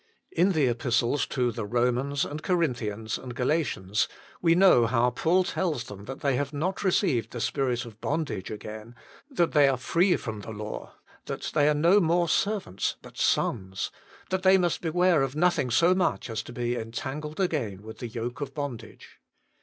In the Epistles to the Romans, and Corinthians, and Galatians, we know how Paul tells them that they have not received the spirit of bondage again, that they are free from the law, that they are no more servants but sons ; that they must beware of nothing so much as to be entangled again with the yoke of bondage.